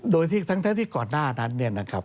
โดยทั้งทั้งที่ก่อนหน้านั้น